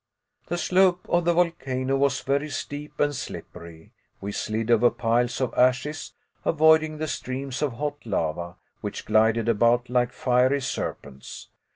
The slope of the volcano was very steep and slippery; we slid over piles of ashes, avoiding the streams of hot lava which glided about like fiery serpents.